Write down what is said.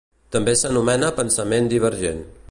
També s'anomena pensament divergent.